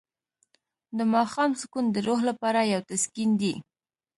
د ماښام سکون د روح لپاره یو تسکین دی.